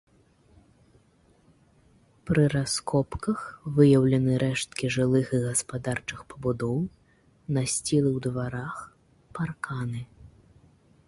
Пры раскопках выяўлены рэшткі жылых і гаспадарчых пабудоў, насцілы ў дварах, парканы.